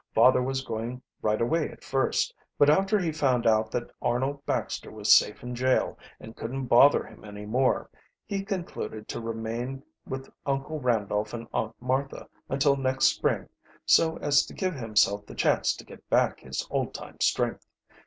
Father was going right away at first, but after he found out that Arnold Baxter was safe in jail and couldn't bother him any more, he concluded to remain with Uncle Randolph and Aunt Martha until next spring so as to give himself the chance to get back his old time strength.